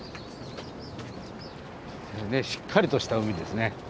しっかりとした海ですね。